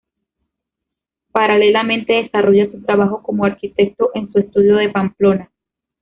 Paralelamente desarrolla su trabajo como arquitecto en su estudio de Pamplona.